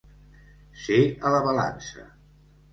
Ser a la balança.